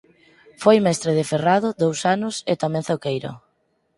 Foi mestre de ferrado dous anos e tamén zoqueiro.